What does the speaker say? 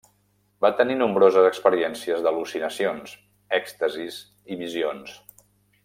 Va tenir nombroses experiències d'al·lucinacions, èxtasis i visions.